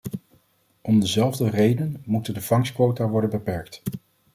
Om dezelfde reden moeten de vangstquota worden beperkt.